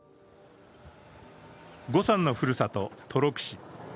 呉さんのふるさと・斗六市。